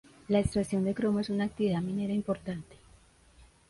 La extracción de cromo es una actividad minera importante.